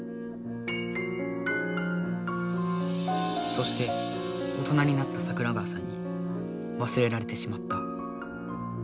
そして大人になった桜川さんにわすれられてしまった。